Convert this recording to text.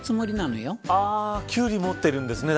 だからきゅうりを持ってるんですね。